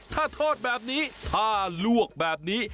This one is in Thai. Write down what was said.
ถ้าทอดแบบนี้ถ้าลวกแบบนี้